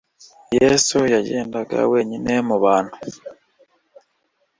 Yesu yagendagendaga wenyine mu bantu.